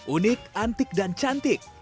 unik antik dan cantik